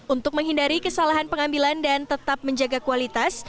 untuk menghindari kesalahan pengambilan dan tetap menjaga kualitas